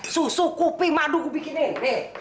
susu kuping madu bikinin